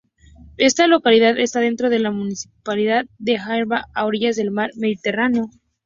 Esta localidad está dentro de la Municipalidad de Haifa, a orillas del mar Mediterráneo.